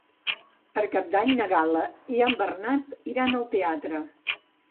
Per Cap d'Any na Gal·la i en Bernat iran al teatre.